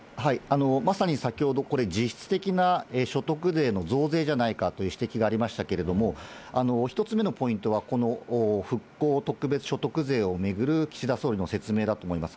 まさに先ほど、これ、実質的な所得税の増税じゃないかという指摘がありましたけれども、１つ目のポイントは、この復興特別所得税を巡る岸田総理の説明だと思います。